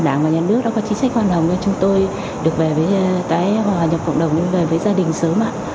trong thời gian trước đã có chính sách hoàn hồng cho chúng tôi được về với tái hòa nhập cộng đồng về với gia đình sớm